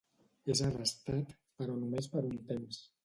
És arrestat, però només per un temps.